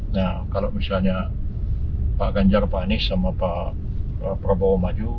nah kalau misalnya pak ganjar pak anies sama pak prabowo maju